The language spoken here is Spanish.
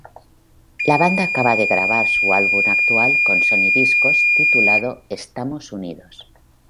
La banda acaba de grabar su álbum actual con Sony Discos titulado Estamos Unidos.